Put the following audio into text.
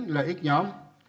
lợi ích nhóm